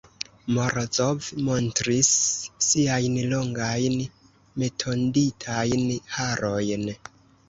Morozov montris siajn longajn netonditajn harojn.